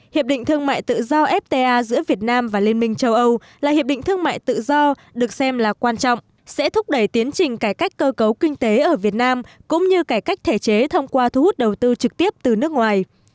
hiệp định thương mại tự do fta giữa việt nam và liên minh châu âu là hiệp định thương mại tự do được xem là quan trọng sẽ thúc đẩy tiến trình cải cách cơ cấu kinh tế ở việt nam cũng như cải cách thể chế thông qua thu hút đầu tư trực tiếp từ nước ngoài